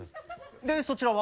でそちらは？